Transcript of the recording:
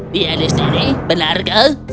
dia di sini benarkah